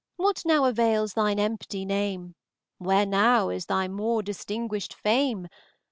What now avails thine empty name? Where now thy more distinguished fame?